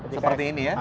seperti ini ya